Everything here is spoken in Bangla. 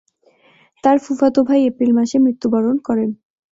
তার ফুফাতো ভাই এপ্রিল মাসে মৃত্যুবরণ করে।